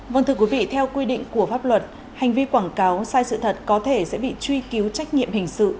vâng thưa quý vị theo quy định của pháp luật hành vi quảng cáo sai sự thật có thể sẽ bị truy cứu trách nhiệm hình sự